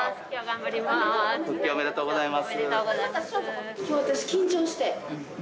・おめでとうございます。